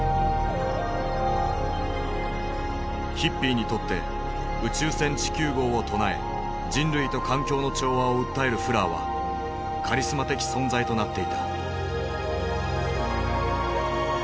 ヒッピーにとって「宇宙船地球号」を唱え人類と環境の調和を訴えるフラーはカリスマ的存在となっていた。